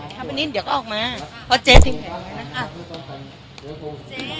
เข้าไปนิดเดี๋ยวก็ออกมาอ่าเพราะเจ๊อ่ะเจ๊นิดนึงอ่ะว้างไงคะอ่ะเจ๊